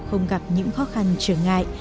không gặp những khó khăn trở ngại